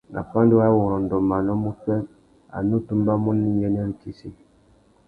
Nà pandúrâwurrôndô manô má upwê, a nù tumbamú nà iyênêritsessi.